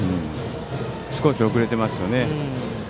少し遅れていますよね。